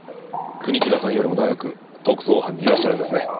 国木田さんよりも長く特捜班にいらっしゃるんですね。